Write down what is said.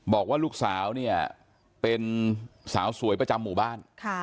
บอกว่าลูกสาวเนี่ยเป็นสาวสวยประจำหมู่บ้าน